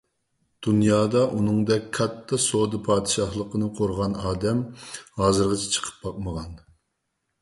دۇنيادا ئۇنىڭدەك كاتتا سودا پادىشاھلىقىنى قۇرغان ئادەم ھازىرغىچە چىقىپ باقمىغان.